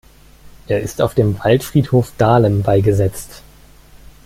Er ist auf dem Waldfriedhof Dahlem beigesetzt.